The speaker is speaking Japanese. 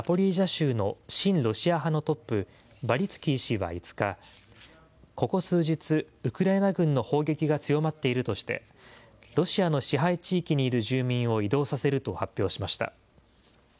州の親ロシア派のトップ、バリツキー氏は５日、ここ数日、ウクライナ軍の砲撃が強まっているとして、ロシアの支配地域にいる住民を移動させると発表しました。